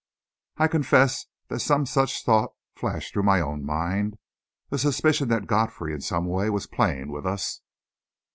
I confess that some such thought flashed through my own mind a suspicion that Godfrey, in some way, was playing with us.